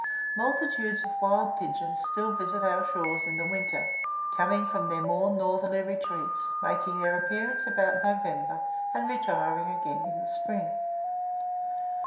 Multitudes of wild pigeons still visit our shores in the winter, coming from their more northerly retreats, making their appearance about November, and retiring again in the spring.